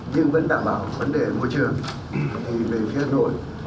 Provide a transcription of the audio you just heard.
nhưng vẫn đảm bảo vấn đề môi trường về phía hà nội